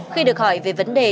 khi được hỏi về vấn đề